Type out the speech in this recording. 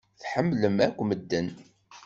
Tḥemmlem akk medden.